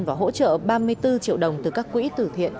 và hỗ trợ ba mươi bốn triệu đồng từ các quỹ tử thiện